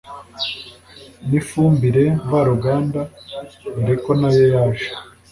n’ifumbire mvaruganda dore ko nayo yaje